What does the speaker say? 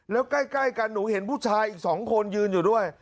แล้วใกล้กันหนูเห็นผู้ชายอีก๒คนยืนอยู่ด้วย